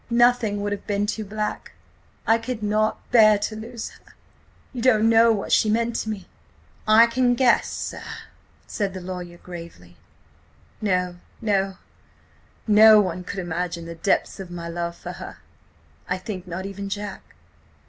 Nothing would have been too black–I could not bear to lose her. You don't know what she meant to me!" "I can guess, sir," said the lawyer, gravely "No, no! No one could imagine the depths of my love for her! I think not even Jack.